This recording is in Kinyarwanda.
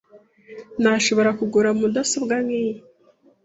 ntashobora kugura mudasobwa nkiyi.